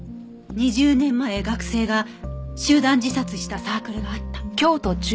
２０年前学生が集団自殺したサークルがあった。